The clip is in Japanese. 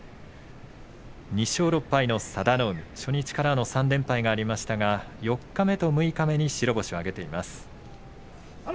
２勝６敗の佐田の海初日からの３連敗がありましたが四日目と六日目に白星を挙げています。